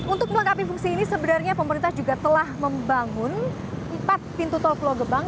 untuk melengkapi fungsi ini sebenarnya pemerintah juga telah membangun empat pintu tol pulau gebang